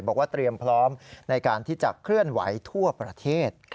บอกว่าเตรียมพร้อมในการที่จะเคลื่อนไหวทั่วประเทศ